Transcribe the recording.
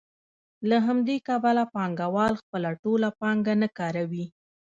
له همدې کبله پانګوال خپله ټوله پانګه نه کاروي